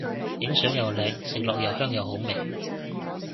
影相又靚食落又香又好味